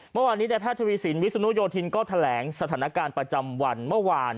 เมื่อวานนี้ในแพทย์ทวีสินวิศนุโยธินก็แถลงสถานการณ์ประจำวันเมื่อวาน